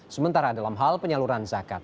sementara dalam hal penyaluran zakat